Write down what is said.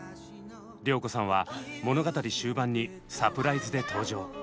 良子さんは物語終盤にサプライズで登場。